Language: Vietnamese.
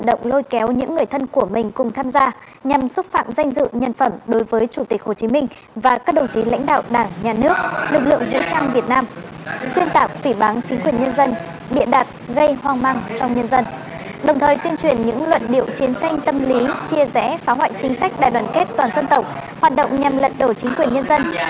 các đối tượng lôi kéo những người thân của mình cùng tham gia nhằm xúc phạm danh dự nhân phẩm đối với chủ tịch hồ chí minh và các đồng chí lãnh đạo đảng nhà nước lực lượng vũ trang việt nam xuyên tạo phỉ bán chính quyền nhân dân biện đạt gây hoang măng cho nhân dân đồng thời tuyên truyền những luận điệu chiến tranh tâm lý chia rẽ phá hoại chính sách đại đoàn kết toàn dân tộc hoạt động nhằm lật đổ chính quyền nhân dân